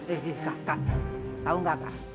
eh kakak tahu nggak kak